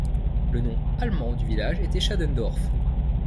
Le nom allemand du village était Schadendorf.